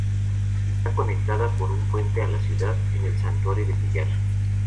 Está conectada por un puente a la ciudad en el Santuario del Pillar.